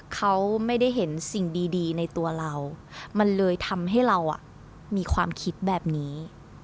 เขาไม่ได้เห็นสิ่งดีในตัวเรามันเลยทำให้เรามีความคิดแบบนี้